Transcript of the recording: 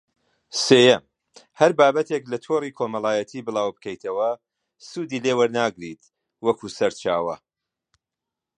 سێیەم: هەر بابەتێک لە تۆڕی کۆمەڵایەتی بڵاوبکەیتەوە، سوودی لێ وەرناگیرێت وەکو سەرچاوە